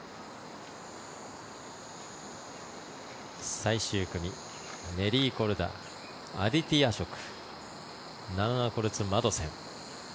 最終組、ネリー・コルダアディティ・アショクナンア・コルツ・マドセン。